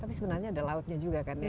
tapi sebenarnya ada lautnya juga kan ya